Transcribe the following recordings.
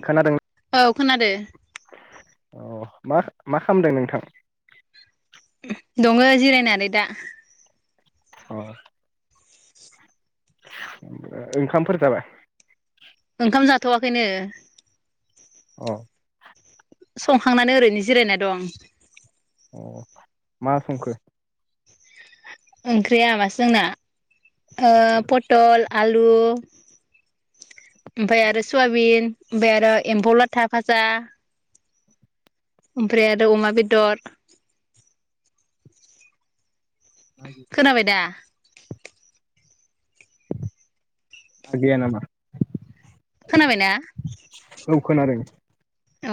खोनादों औ खोनादो अ मा मा खालामदों नोंथां? दङ जिरायनानै दा। अ ओ ओंखामफोर जाबाय? ओंखाम जा थवाखैनो अ संखांनानै ओरैनो जिरायना दं। मा संखो? ओंख्रिया बासो जोंना ओ पटल आलु ओमफाय आरो सुवाबिन ओमफाय आरो एम्फौ लाथा फाजा। ओमफ्राय आरो अमा बेदर ना खोनाबाय दा? [inaudible] गैया नामा? खोनाबायना? औ खोनादों। अ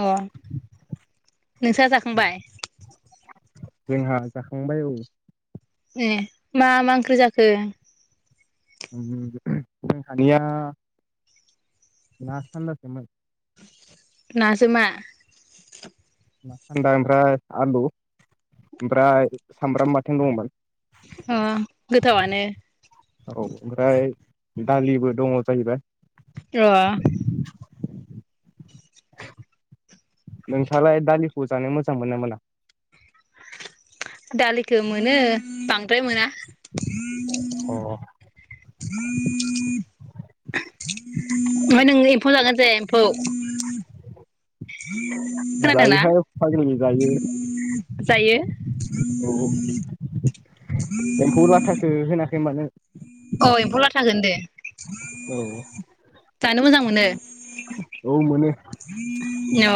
नोंसा जाखांबाय? जोंहा जाखांबाय औ ए मा मा ओंख्रि जाखो? [unintelligible] जोंहानिया ना सानदासोमोन नाजो मा? ना सान्दा ओमफ्राय आलु ओमफ्राय सामब्राम बाथोन दंमोन। ओ गोथावानो औ ओमफ्राय दालिबो दङ जाहैबाय। अ [inaudible] नोंथाङालाय दालिखौ जानो मोजां मोनना मोना? दालिखो मोनो। बांद्राय मोना [inaudible] अ ओमफाय नों फौ जाना जाया एम्फौ? खोनादों ना जायोहाय फाग्लि जायो जायो [inaudible] औ एम्फौ लाथाखौ होनाखै मानो अ एम्फौ लाथाखो होनदो औ जानो मोजां मोन नो औ मोनो अ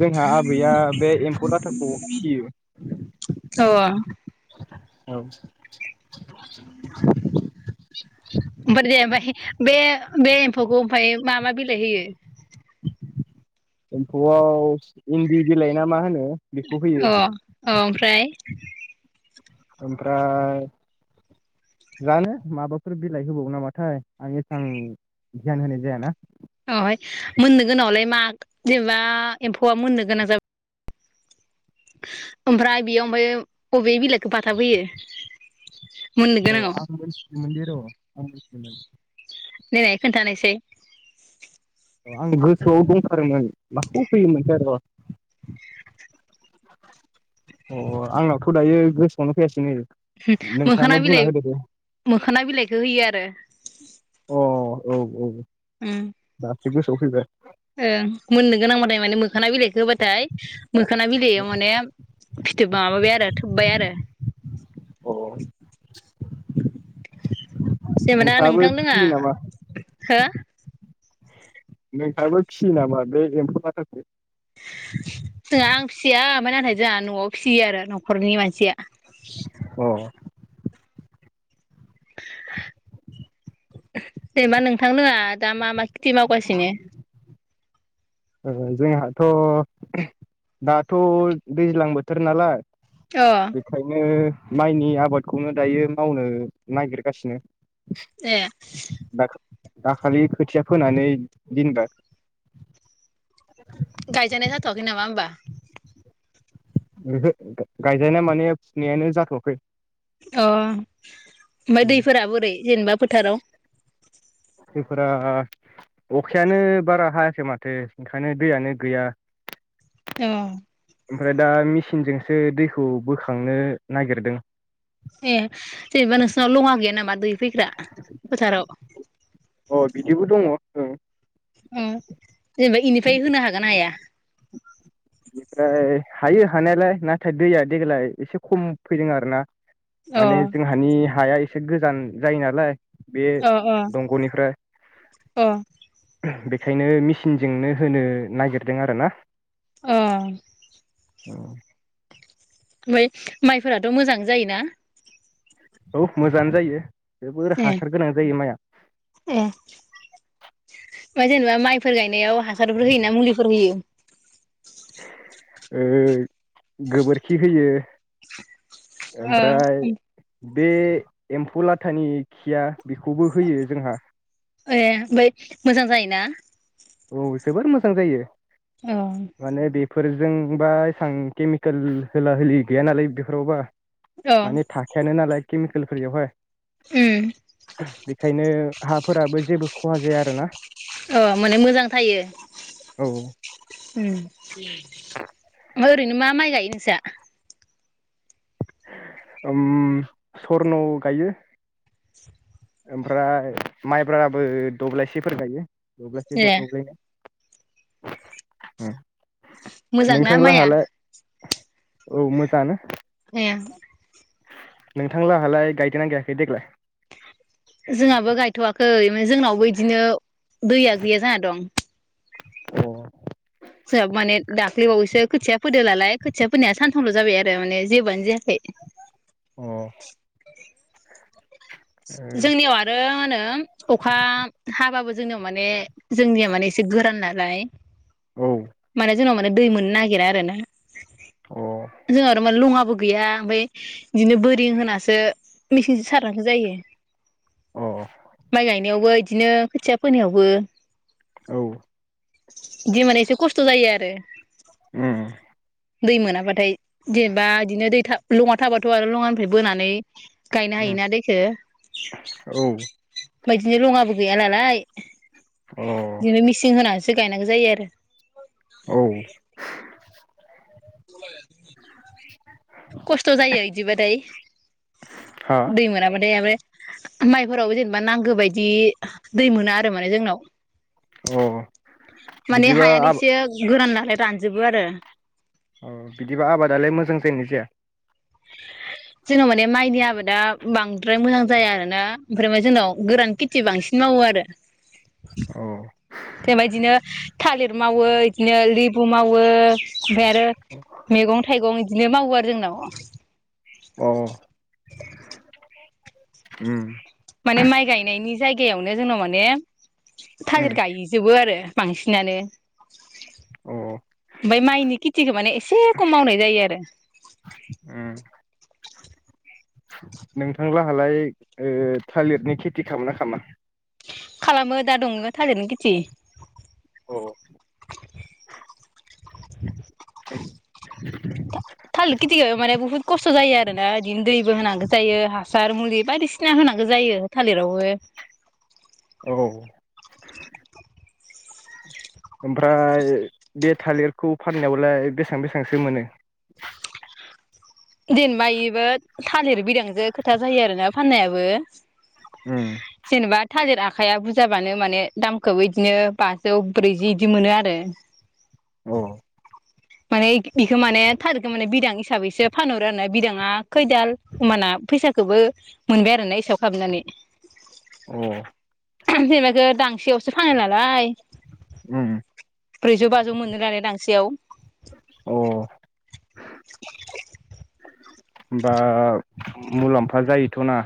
जोंहा आबैया बे एम्फौ लाथाखौ फियो। अ औ [inaudible] ओमफा दे [unintelligible] ओमफाय बे बे एम्फौखौ ओमफाय मा मा बिलाइ होयो? एम्फौआव इन्दि बिलाइ ना मा होनो बेखौ होयो अ औ ओमफ्राय? ओमफ्राय जानो माबाफोर बिलाइ होबावो नामाथाय आं एसां ध्यान होनाय जायाना। [unintelligible] मोननो गोनाङावलाय मा जेनेबा एम्फौआ मोननो गोनां जाब ह ओमफ्राय बेयाव ओमफ्राय बबे बिलाइखौ बाथाबहोयो औ आं मोनथिमोनदै र आं मोनथियोमोन देनाय खोन्थानायसै आं गोसोआव दंथारोमोन माखौ फैयोमोनसै र अ आंनावथ' दायो गोसोआवनो फैयाासैनै ह मोखोना बिलाइ मोखोना बिलाइखौ होयो आरो अ औ औ उम दासो गोसोआव फैबाय ओं मोननो गोनांबाथाय माने मोखाना बिलाइखौ होबाथाय ह मोखोना बिलायाव माने फिथोब माबाबाय आरो थोबबाय आरो औ सेमोना नोंथां लोङा फिसियो नामा हो नोंहाबो फिसियो नामा बे एम्फौ लाथाखौ? दा आं फि फिसिया ओमफ्राय नाथाय जोंहा नआव फिसियो आरो नखरनि मानसिया अ जेनेबा नोंथांनोङा दा मा मा टि मावगासिनो? ओ जोंहाथ दाथ दैज्लां बोथोर नालाय अ बेखायनो माइनि आबादखौनो दायो मावनो नागिरगासिनो एह दा दाखालि खोथिया फोनानै दिनबाय [inaudible] गायजानाय जाथवाखै नामा होमबा? ओहो गायजनाया माने फुनायानो जाथवाखै अ ओमफ्राय जोंफोरा दैफोरा बोरै जेनेबा फोथाराव जफोरा अखायानो बारा हायाखै माथो ओंखायनो दैयानो गैया ए ओमफ्राय दा मि सिनजोंसो दैखौ बोखांनो नागिरदों ए जेनेबा नोंसनाव लङा गैया नोमा दै फैग्रा फोथाराव अ बिदिबो दङ ओं ओम जेनेबा इनिफ्राय होनो हागोना हाया? ओफ्राय हायो हानायालाय नाथाय दैया देग्लाय एसे खम फैदों आरो ना। अ माने जोंहानि हाया एसे एसे गोजान जायो नालाय बे अ अ दंग'निफ्राय अ बेखायनो मेसिनजोंनो होनो नागिरदों आरो ना। ओ औ। ओमफ्राय माइफोराथ' मोजां जायोना? औ मोजाङानो जायो। जोबोर ए हासार गोनां जायो माइया। ओमफाय जेनेबा माइफोर गायनायाव हासारफोर होयो ना मुलिफोर होयो? ओ गोबोरखि होयो। ओमफ्राय ओ बे एम्फौ लाथानि खिया बेखौबो होयो जोंहा ओमफ्राय मोजां जायोना? औ जोबोर मोजां जायो। औ। फोरजों बा एसां केमिकेल होला होलि गैया नालाय बेफोरावबा। अ माने थाखायानो नालाय केमिकेल फ्रियावहाय ओम। खायनो हाफोराबो जेबो खहा जाया आरोना। आरो [unintelligible] अ माने मोजां थायो। औ उम ओमफाय ओरैनो मा माइ गायो नोंसा? ओम स्वर्न गायो ओमफ्राय माइब्राबो दब्लायसेफोर गायो। दब्लायसे ए दब्लायनै होम मोजांना माइया? औ मोजांङानो। ए। नोंथां लाहालाय गायदोंना गायाखै देग्लाय? हैै जोंनावबो बिदिनो दैया गैया जाना दं। अ। जोंहाबो माने दाख्लै बावैसो खोथिया फोदोंनालाय खोथिया फोनाया सानथामल' जाबाय आरो माने जेबोआनो जायाखै। अ जोंनियाव आरो मा होनो अखा हाबाबो जोंनाव माने जोंनिया माने एसे गोरान नालाय। औ माने जोंनाव मोन दै मोननो नागिरा आरो ना। अ जों आरो मान लङाबो गैया ओमफ्राय बिदिनो बोरि होनासो मेसिनसो सारनासो जायो। अ माइ गायनायावबोदि बिदिनो खोथिया फोनायावबो औ। जि माने एसे खस्थ' जायो आरो। ओं। दै मोनाबाथाय जेनेबा बिदिनो दै लङा थाबाथ' आरो लङानिफ्राय बोनानै गायनो उम हायोना दैेखौ औ। मायदिनो रङाबो गैया नालाय। अ बिदिनो मिसिन होना। सो गायनांगौ जायो आरो। औ। [inaudible] खस्थ' जायो बिदिबाथाय, हा दै मोनाबाथाय ओमफ्राय माइफोरावबो जेनेबा नांगौ बायदि दै मोना आरो माने जोंनाव अ माने बिदिबा हायानो आबा एसे गोरान ना। म रानजोबो आरो। औ बिदिबा आबादालाय मोजां जायो ना जाया? जोंनाव माने माइनि आबादा बांद्राय मोजां जाया आरोना ओमफ्राय म जोंनाव गोरान खेथि बांसिन मावो आरो। औ। बेबायदिनो। थालिर मावो, बिदिनो लेबु मावो ओमफ्राय आरो मैगं थाइगं बिदिनो मावो आरो जोंनाव। अ उम। माने माइ गायनायनि जायगायावनो जोंनाव माने उम थाजिर गायजोबो आरो। बांसिनानो अ उम ओमफ्राय माइनि खेथिखौ माने एसे खम मावनाय जायो आरो। नोंथांलाहालाय ओ थालिरनि खेथि खालाम ना खामा? खालामो दा दङो थालिरनि खेथि औ। थालिर खिथि गाय माने बुहुत खस्थ' जायो आरोना बिदिनो दैबो होनांगौ जायो हासार मुलि बायदिसिना होनांगौ जायो थालिरावबो औ ओमफ्राय बे थालिरखौ फाननायावलाय बेसेबां बेसेबांसो मोनो? देनबायबो थालिर बिदांजो खोथा जायो आरोना फाननायाबो। उम जेनबा थालिरा आखाइाया बुरजाबानो माने दामखौबो बिदिनो बाजौ ब्रैजि बिदि मोनो आरो। औ। माने बेखौ माने थालिरखो माने बिदां हिसाबैसो फानहरो आरो ना बिदाङा खैदाल होमबाना फैसाखौबो मोनबाय आरोना एसेयाव खालामनानै। अ जेनेब इखो दांसेयावसो फानो नालाय उम ब्रैजौ बाजौ मोनो दानिया दांसेयाव अ। [unintelligible] बा मुलाम्फा जायोथ'ना?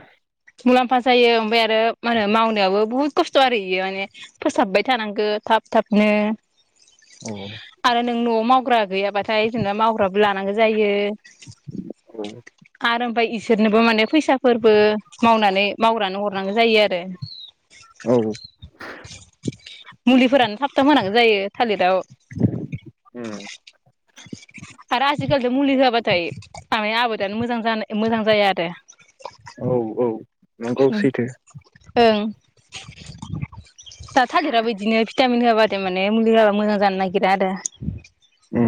मुलाम्फा जायो ओमफ्राय आरो मा होनो मावनायावाबो बुहुत खस्थ' आरो इयो माने फोसाबबाय थानांगौ थाब थाबनो। औ आरो नों न'आव माव मावग्रा गैयाबाथाय जोंना मावग्राबो लानांगौ जायो। औ। आरो ओफ्राय इसोरनोबो माने फैसाफोरबो मावनानै मावग्रानो हरनांगौ जायो आरो। औ। मुलिफोरानो थाबथाम होनांगौ जायो थालिराव उम आरो आजिखालिजों मुलि होआबाथाय आ आबादानो मोजां जानो मोजां जाया आरो। औ औ। नंगौ सैथो। [inaudible] दा थालिरा बिदिनो भिटामिन होआबा माने मुलि हा मोजां जानो नागिरा आरो। ओ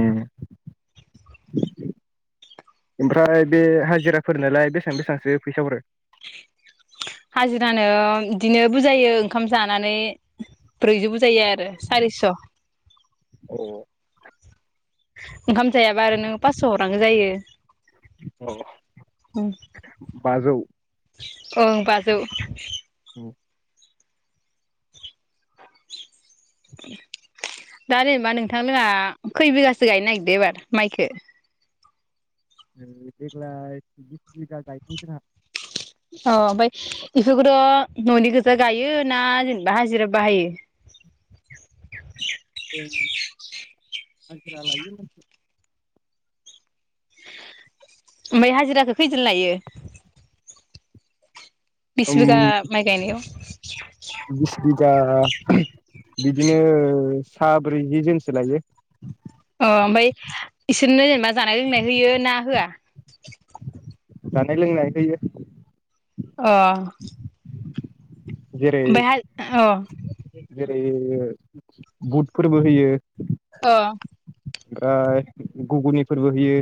ओमफ्राय बे हाजिराफोर नालाय बेसेबां बेसेबांसो फैसा हरो? हाजिरानो बिदिनो बुजायो ओंखाम जानानै ब्रैजौ बु जायो आरो सारिस'। अ ओंखामायाबा आरो नों फास' ह गो जायो। अ बाजौ। ओं बाजौ। औ। दा जेनेबा नोंथांमोनहा खय बिगासो गायनो नागिरदो एबार माइखो? ओ देग्लाय बिस बिगा [unintelligible] अ ओमफ्राय बेफोरखौथ' न'नि गोजा गायो ना जेनेबा हाजिरा बाहायो? उम। आजिरा लायो। ओमफ्राय हाजिराखौ खैदोन लायो? बिस उम बिघा माइ गायनायाव बिसबिघा। बिदिनो साब्रैजि जोनसो लायो। अ ओमफ्राय बिसोरनो जेनेबा। जानाय लोंनाय होयो ना होआ? जानाय लोंनाय होयो। जेरै उमफायहाय अ‌। जेरै बुट फोरबो होयो। अ। ओ- गुगुनि फोरबो होयो।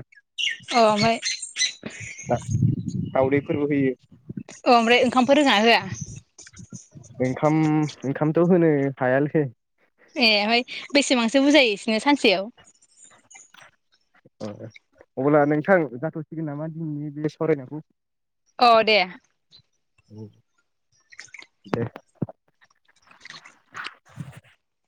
अ ओमफ्राय? दावदैफोरबो होयो। अ ओमफ्राय ओंखामफोर रोङा होआ? ओंखाम ओंखामथ' होनो हायालै। ए उमफाय बेसेबांसो बुजायो सानसेयाव? अब्ला नोंथां जाथ'सिगोन नामा दिनैनि बे सावरायनायखौ? औ दे। दे।